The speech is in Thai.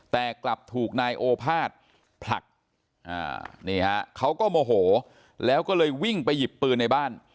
แต่กลับถูกนายโอภาษย์ผลักนี่ฮะเขาก็โมโหแล้วก็เลยวิ่งไปหยิบปืนในบ้าน